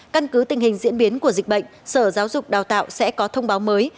căn cứ tình hình diễn biến của dịch bệnh sở giáo dục đào tạo sẽ có thông báo mới